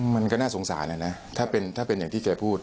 มันก็น่าสงสารนะถ้าเป็นอย่างที่แกพูด